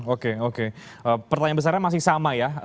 oke oke pertanyaan besarnya masih sama ya